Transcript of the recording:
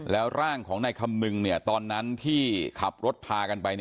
แล้วร่างของนายคำนึงตอนนั้นที่ขับรถพากันไป